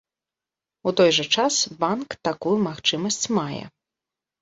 У той жа час, банк такую магчымасць мае.